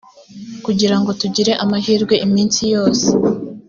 kugira ngo tugire amahirwe iminsi yose,